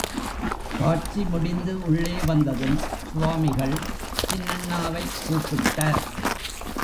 காட்சி முடிந்து உள்ளே வந்ததும் சுவாமிகள் சின்னண்ணாவைக் கூப்பிட்டார்.